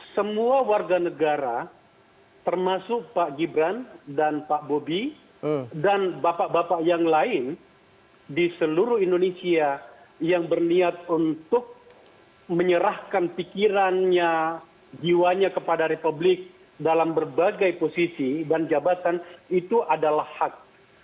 semua warga negara termasuk pak gibran dan pak bobi dan bapak bapak yang lain di seluruh indonesia yang berniat untuk menyerahkan pikirannya jiwanya kepada republik dalam berbagai posisi dan jabatan itu adalah hak